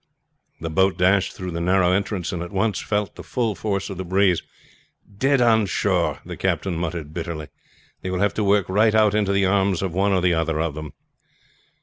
The boat dashed through the narrow entrance, and at once felt the full force of the breeze. "Dead on shore," the captain muttered bitterly. "They will have to work right out into the arms of one or other of them."